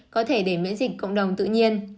có thể để miễn dịch cộng đồng tự nhiên